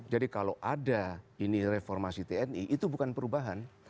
jadi kalau ada ini reformasi tni itu bukan perubahan